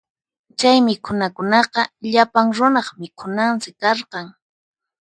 Chay mikhunakunaqa llapan runaq mikhunansi karqan.